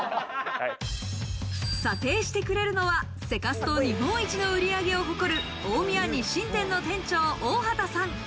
査定してくれるのは、セカスト日本一の売り上げを誇る大宮日進店の店長・大畑さん。